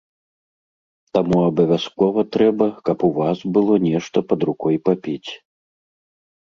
Таму абавязкова трэба, каб у вас было нешта пад рукой папіць.